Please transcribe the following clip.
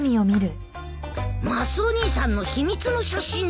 マスオ兄さんの秘密の写真だ。